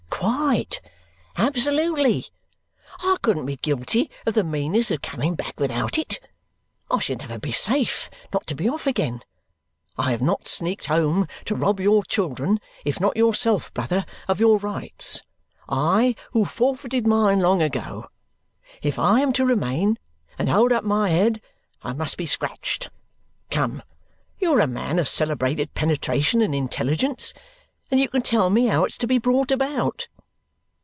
"Quite! Absolutely! I couldn't be guilty of the meanness of coming back without it. I should never be safe not to be off again. I have not sneaked home to rob your children, if not yourself, brother, of your rights. I, who forfeited mine long ago! If I am to remain and hold up my head, I must be scratched. Come. You are a man of celebrated penetration and intelligence, and you can tell me how it's to be brought about."